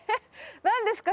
何ですか？